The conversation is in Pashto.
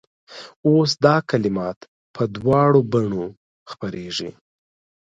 اوس دا کلمات په دواړو بڼو خپرېږي.